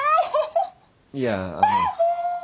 いやあの。